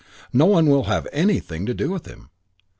No one will have anything to do with him.